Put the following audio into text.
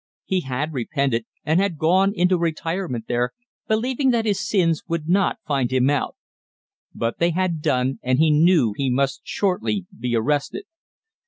He had repented, and had gone into retirement there, believing that his sins would not find him out. But they had done, and he knew he must shortly be arrested.